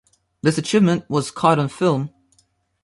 This achievement was caught on film.